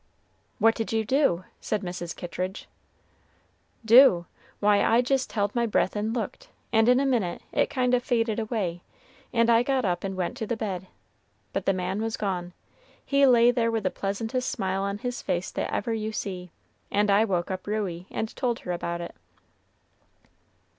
"What did you do?" said Mrs. Kittridge. "Do? Why, I jist held my breath and looked, and in a minute it kind o' faded away, and I got up and went to the bed, but the man was gone. He lay there with the pleasantest smile on his face that ever you see; and I woke up Ruey, and told her about it."